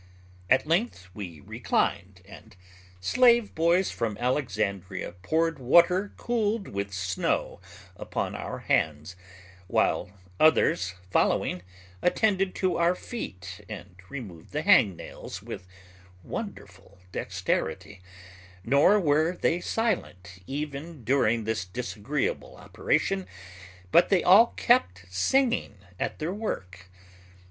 At length we reclined, and slave boys from Alexandria poured water cooled with snow upon our hands, while others following, attended to our feet and removed the hangnails with wonderful dexterity, nor were they silent even during this disagreeable operation, but they all kept singing at their work.